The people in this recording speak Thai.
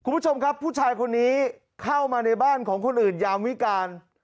คุณผู้ชมครับผู้ชายคนนี้เข้ามาในบ้านของคนอื่นยามวิการ